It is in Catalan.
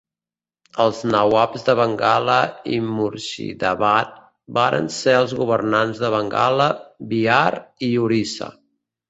El Nawabs de Bengala i Murshidabad varen ser els governants de Bengala, Bihar i Orissa.